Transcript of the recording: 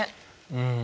うん。